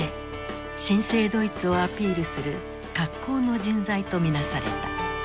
新生ドイツをアピールする格好の人材と見なされた。